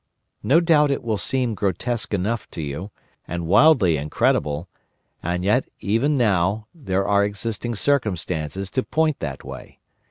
No doubt it will seem grotesque enough to you—and wildly incredible!—and yet even now there are existing circumstances to point that way.